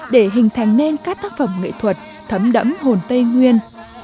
để hình thành nên các tác phẩm nghệ thuật thấm đẫm hồn tây nguyên